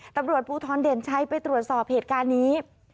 ตำรวจภูทรเด่นชัยไปตรวจสอบเหตุการณ์นี้